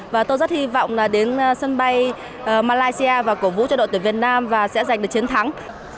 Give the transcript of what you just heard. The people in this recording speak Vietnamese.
và tôi rất hy vọng là đến sân bay malaysia và cổ vũ cho đội tuyển việt nam và sẽ giành được chiến thắng